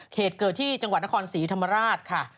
เหตุเกิดที่จังหวัดนครศรีธรรมราชค่ะ